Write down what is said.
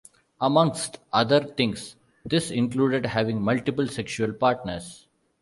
Amongst other things, this included having multiple sexual partners.